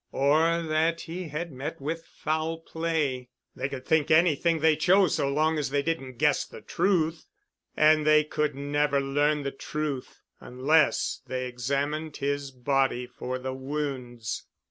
Or that he had met with foul play. They could think anything they chose so long as they didn't guess the truth. And they could never learn the truth, unless they examined his body for the wounds.